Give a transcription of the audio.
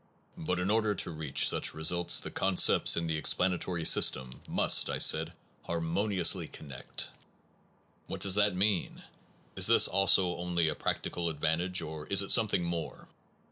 But in order to reach such results the con cepts in the explanatory system must, I said, in the a harmoniously connect. What does sciences that mean? Is this also only a prac tical advantage, or is it sometning more?